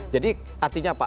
jadi artinya apa